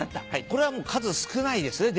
これは数少ないですね